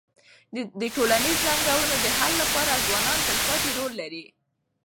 د ټولنیزو ننګونو د حل لپاره ځوانان تلپاتې رول لري.